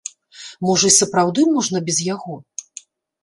Можа, і сапраўды можна без яго?